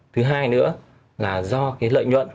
thứ hai nữa là do lợi nhuận